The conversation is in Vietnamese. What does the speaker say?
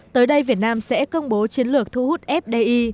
tới đây việt nam sẽ công bố chiến lược thu hút fdi